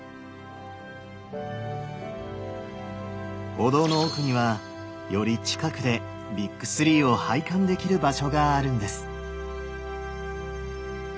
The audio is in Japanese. お堂の奥にはより近くでビッグ３を拝観できる場所があるんです。